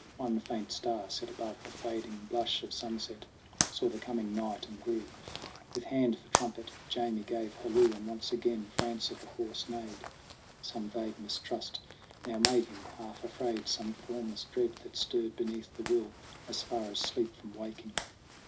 One faint star, set above the fading blush Of sunset, saw the coming night, and grew. With hand for trumpet, Jamie gave halloo ; And once again. For answer, the horse neighed. Some vague mistrust now made him half afraid Some formless dread that stirred beneath the will As far as sleep from waking.